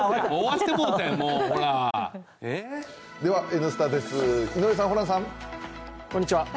「Ｎスタ」です、井上さん、ホランさん。